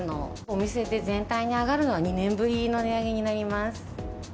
お店で全体で上がるのは、２年ぶりの値上げになります。